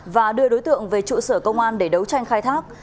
và đưa đối tượng về trụ sở công an để đấu tranh khai thác